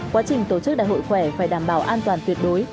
quá trình tổ chức đại hội khỏe phải đảm bảo an toàn tuyệt đối